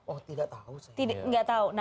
oh tidak tahu saya